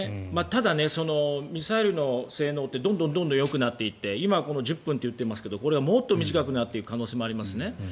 ミサイルの性能ってどんどんよくなっていてこの１０分といっていますがこれがもっと短くなっていく可能性はありますね。